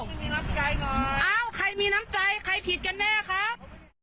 ไม่มีน้ำใจเหรออ้าวใครมีน้ำใจใครผิดกันแน่ครับ